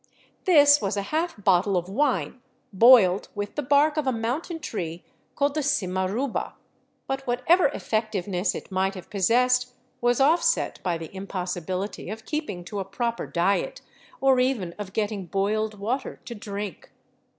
This was a half bottle of wine boiled with the bark of a mountain tree called the cimarriiha; but whatever effectiveness it might have possessed was offset by the impossibility of keeping to a proper diet, or even of getting boiled water to drink.